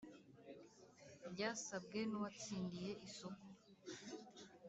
byasabwe n uwatsindiye isoko